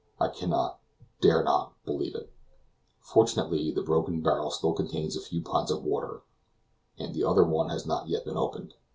I cannot, dare not, believe it. Fortunately, the broken barrel still contains a few pints of water, and the other one has not yet been opened.